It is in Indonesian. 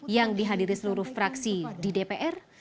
yang dihadiri seluruh fraksi di dpr